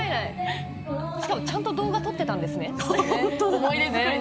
しかも、ちゃんと動画を撮っていたんですね。